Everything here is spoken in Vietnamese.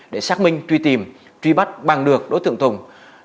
để xác minh truy tìm truy bắt bằng được đối tượng tùng